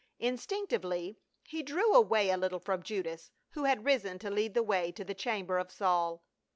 Instinctively he drew away a little from Judas, who had risen to lead the way to the chamber of Saul.